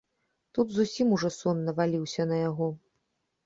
Тут зусім ужо сон наваліўся на яго.